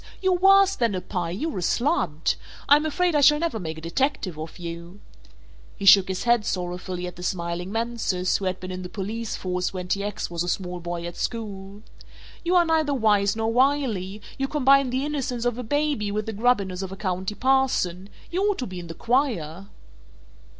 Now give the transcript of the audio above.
"You're worse than a pie, you're a slud! I'm afraid I shall never make a detective of you," he shook his head sorrowfully at the smiling Mansus who had been in the police force when T. X. was a small boy at school, "you are neither Wise nor Wily; you combine the innocence of a Baby with the grubbiness of a County Parson you ought to be in the choir."